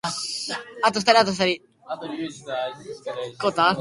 家で映画を観るのが最高のリラックスタイム。